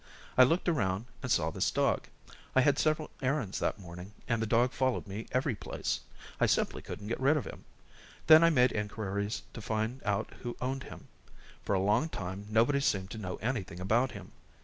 I looked around, and saw this dog. I had several errands that morning and the dog followed me every place. I simply couldn't get rid of him. Then I made inquiries to find out who owned him. For a long time nobody seemed to know anything about him.